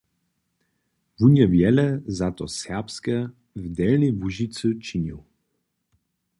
Wón je wjele za to serbske w Delnjej Łužicy činił.